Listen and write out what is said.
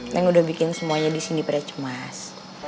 neng udah bikin semuanya disini pada cemas